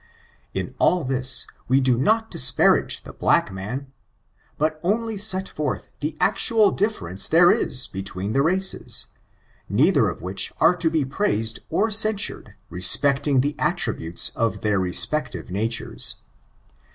In all this we do not dis parage the black man, but only set forth the actual difference there is between the races, neither of which are to be praised or censured respecting the attri butes of their respective natures.